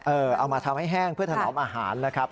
เอามาทำให้แห้งเพื่อถนอมอาหารนะครับ